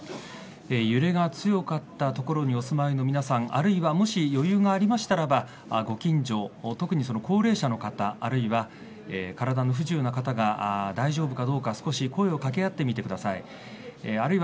揺れが強かった所にお住まいの皆さんあるいはもし余裕がありましたらご近所、特に高齢者の方あるいは体の不自由な方が大丈夫かどうか、少し声を掛け合ってみてください。